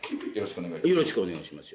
よろしくお願いします